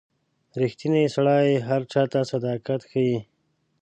• ریښتینی سړی هر چاته صداقت ښيي.